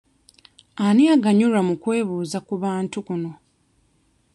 Ani aganyulwa mu kwebuuza ku bantu kuno?